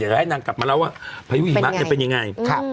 เดี๋ยวให้นางกลับมาแล้วว่าพยุงหิมะจะเป็นยังไงค่ะ